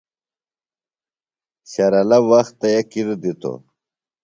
شرلہ وختے کِر دِتوۡ۔